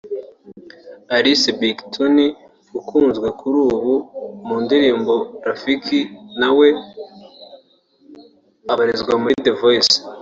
Alice Big Tonny ukunzwe kuri ubu mu ndirimbo Rafiki na we abarizwa muri The Voice